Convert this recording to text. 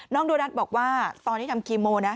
โดนัทบอกว่าตอนที่ทำคีโมนะ